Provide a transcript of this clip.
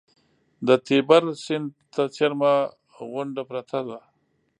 د تیبر سیند ته څېرمه غونډه پرته ده.